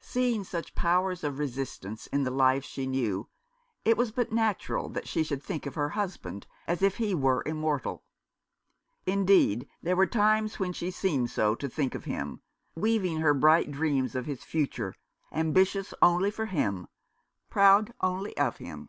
Seeing such powers of resistance in the lives she knew, it was but natural that she should think of her husband as if he were immortal. Indeed, there were times when she seemed so to think of him, weaving her bright dreams of his future, ambitious only for him, proud only of him.